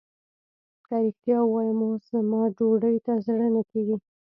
که رښتيا ووايم اوس زما ډوډۍ ته زړه نه کېږي.